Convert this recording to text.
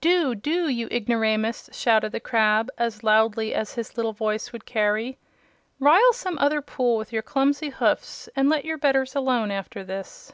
"Do! Do, you ignoramus!" shouted the crab, as loudly as his little voice would carry. "Rile some other pool with your clumsy hoofs, and let your betters alone after this!"